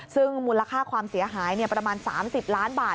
ซึ่งมูลค่าความเสียหายประมาณ๓๐ล้านบาท